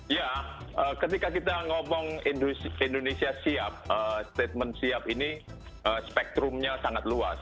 ya ketika kita ngomong indonesia siap statement siap ini spektrumnya sangat luas